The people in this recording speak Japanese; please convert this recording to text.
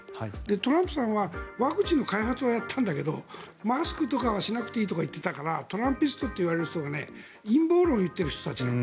トランプさんはワクチンの開発はやったんだけどマスクとかはしなくていいとか言っていたからトランピストというのは陰謀論を言っている人たちがいる。